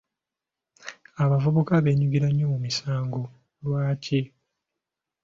Abavubuka beenyigira nnyo mu misango, lwaki?